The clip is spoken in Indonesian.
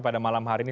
pada malam hari ini